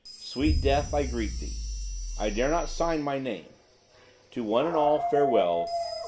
Sweet death, I greet thee. I dare not sign my name. To one and all, farewell.